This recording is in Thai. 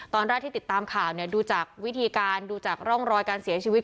ตอนแรกที่ติดตามข่าวเนี่ยดูจากวิธีการดูจากร่องรอยการเสียชีวิต